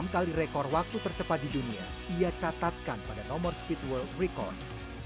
enam kali rekor waktu tercepat di dunia ia catatkan pada nomor speed world recorn